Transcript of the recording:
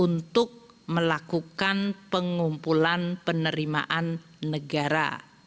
untuk melakukan pengumpulan penerimaan negara